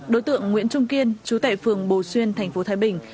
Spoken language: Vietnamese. đối tượng nguyễn trung kiên trú tại phường bồ xuyên tp thái bình